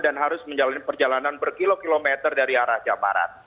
dan harus menjalani perjalanan berkilo kilometer dari arah jemaah rati